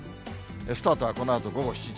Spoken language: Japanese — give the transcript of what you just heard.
スタートはこのあと午後７時。